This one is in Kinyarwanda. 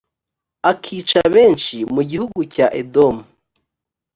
akica benshi mu gihugu cya edomu